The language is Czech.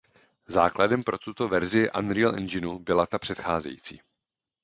Základem pro tuto verzi Unreal enginu byla ta předcházející.